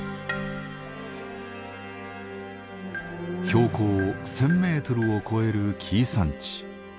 標高１，０００ｍを超える紀伊山地。